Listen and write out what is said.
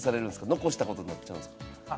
残したことになっちゃうんですか。